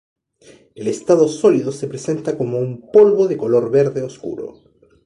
En estado sólido se presenta como un polvo de color verde oscuro.